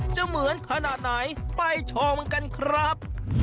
จะเหมือนขนาดไหนไปชมกันครับ